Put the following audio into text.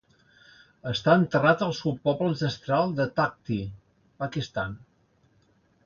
Està enterrat al seu poble ancestral de Takhti, Pakistan.